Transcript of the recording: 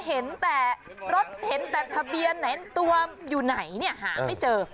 เห็นแต่รถเห็นแต่ทะเบียนไหนตัวอยู่ไหนเนี่ยหาไม่เจอ